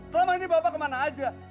selama ini bapak kemana aja